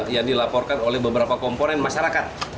yang dilaporkan oleh beberapa komponen masyarakat